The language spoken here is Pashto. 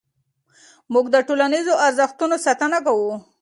موږ د ټولنیزو ارزښتونو ساتنه کوو.